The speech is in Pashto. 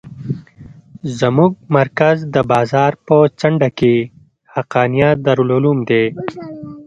زموږ مرکز د بازار په څنډه کښې حقانيه دارالعلوم دى.